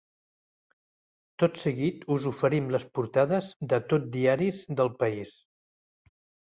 Tot seguit us oferim les portades de tot diaris del país.